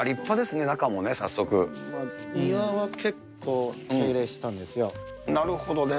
ああ、庭は結構、手入れしたんですなるほどね。